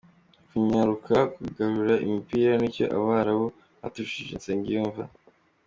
Kunyaruka, kugarura imipira ni cyo Abarabu baturushije Nsengiyumva